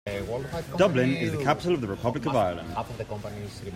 Dublin is the capital of the Republic of Ireland.